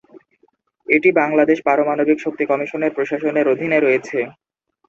এটি বাংলাদেশ পারমাণবিক শক্তি কমিশনের প্রশাসনের অধীনে রয়েছে।